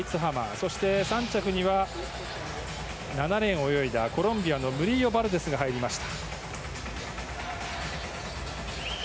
そして３着には７レーンを泳いだコロンビアのムリーヨ・バルデスが入りました。